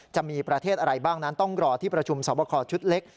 จะมีประเทศอะไรบ้างนั้นต้องรอที่ประชุมสอบคอชุดเล็ก